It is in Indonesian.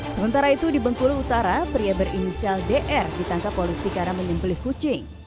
sementara itu di bengkulu utara pria berinisial dr ditangkap polisi karena menyembelih kucing